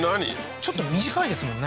ちょっと短いですもんね